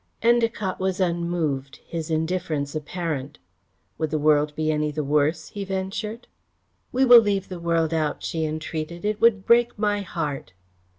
Endacott was unmoved, his indifference apparent. "Would the world be any the worse?" he ventured. "We will leave the world out," she entreated. "It would break my heart."